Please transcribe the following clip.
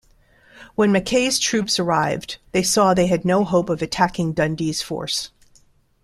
When Mackay's troops arrived, they saw they had no hope of attacking Dundee's force.